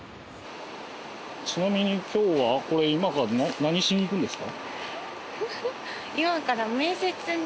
ちなみに今日は今から何しに行くんですか？